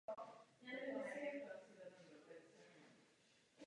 Zpráva se zabývá všemi těmito otázkami.